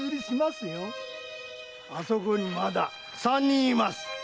あそこにまだ三人います。